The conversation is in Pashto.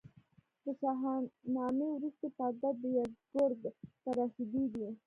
د شاهنامې وروستۍ پرده د یزدګُرد تراژیدي ده.